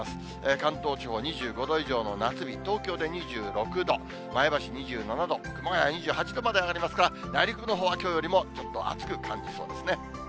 関東地方、２５度以上の夏日、東京で２６度、前橋２７度、熊谷２８度まで上がりますから、内陸部のほうはきょうよりもちょっと暑く感じそうですね。